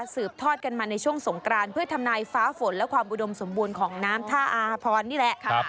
สืบทอดกันมาในช่วงสงกรานเพื่อทำนายฟ้าฝนและความอุดมสมบูรณ์ของน้ำท่าอาพรนี่แหละ